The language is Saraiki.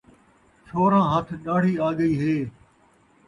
چھوہراں ہتھ ݙاڑھی آڳئی ہے